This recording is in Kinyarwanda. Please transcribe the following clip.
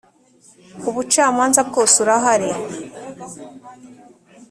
ubucamanza bwose urahari.